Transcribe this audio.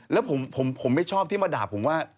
แล้วผมไม่ชอบที่มาด่าผมว่า